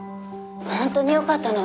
本当によかったの？